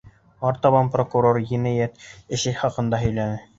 Артабан прокурор енәйәт эше хаҡында һөйләне.